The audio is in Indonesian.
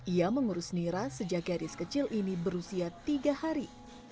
ia mengurus nira sejak gadis kecil ini berusia tiga hari